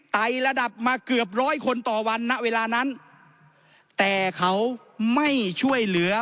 ไตระดับมาเกือบร้อยคนต่อวันณเวลานั้นแต่เขาไม่ช่วยเหลือ